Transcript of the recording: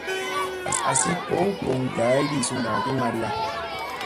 Asi ɓow goŋgi dahaydi sunɗa ki madiya.